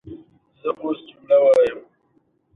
دا یوازې ته وې یوازې ته.